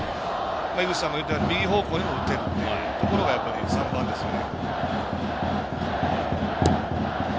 井口さんが言ったように右方向にも打てるというところが３番ですね。